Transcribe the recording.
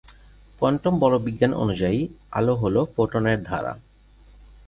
Quantum বলবিজ্ঞান অনুযায়ী, আলো হলো ফোটনের ধারা।